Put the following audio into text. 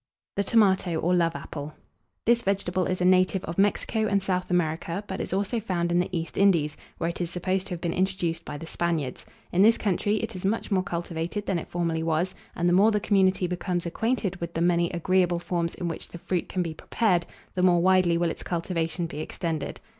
THE TOMATO, OR LOVE APPLE. This vegetable is a native of Mexico and South America, but is also found in the East Indies, where it is supposed to have been introduced by the Spaniards. In this country it is much more cultivated than it formerly was; and the more the community becomes acquainted with the many agreeable forms in which the fruit can be prepared, the more widely will its cultivation be extended.